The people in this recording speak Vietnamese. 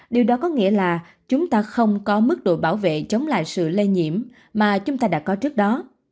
điều đó có nghĩa là chúng ta không có mức độ bảo vệ chống lại sự lây nhiễm mà chúng ta đã có trước đó